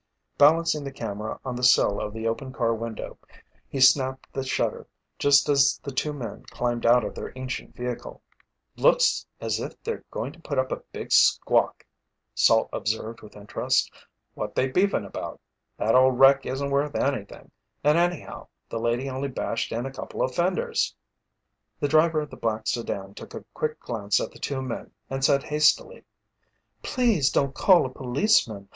Balancing the camera on the sill of the open car window, he snapped the shutter just as the two men climbed out of their ancient vehicle. "Looks as if they're going to put up a big squawk," Salt observed with interest. "What they beefin' about? That old wreck isn't worth anything, and anyhow, the lady only bashed in a couple of fenders." The driver of the black sedan took a quick glance at the two men and said hastily: "Please don't call a policeman.